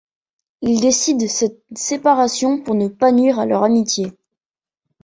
Ils décident cette séparation pour ne pas nuire à leur amitié.